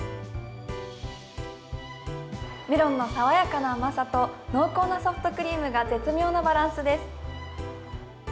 メロンの爽やかな甘さと、濃厚なソフトクリームが絶妙なバランスです。